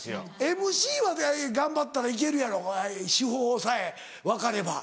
ＭＣは頑張ったら行けるやろ手法さえ分かれば。